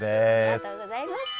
ありがとうございます。